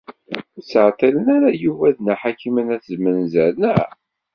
Ur ttɛeṭṭilen ara Yuba d Nna Ḥakima n At Zmenzer, naɣ?